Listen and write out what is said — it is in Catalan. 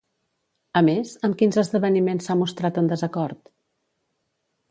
A més, amb quins esdeveniments s'ha mostrat en desacord?